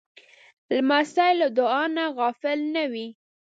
لمسی له دعا نه غافل نه وي.